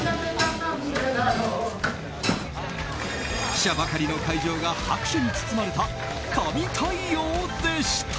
記者ばかりの会場が拍手に包まれた神対応でした。